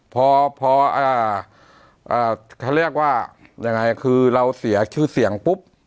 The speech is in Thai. พอเขาเรียกว่ายังไงคือเราเสียชื่อเสียงปุ๊บ